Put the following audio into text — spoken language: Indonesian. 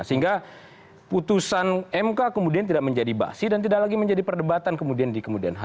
sehingga putusan mk kemudian tidak menjadi basi dan tidak lagi menjadi perdebatan kemudian di kemudian hari